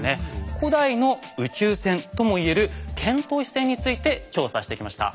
古代の宇宙船とも言える遣唐使船について調査してきました。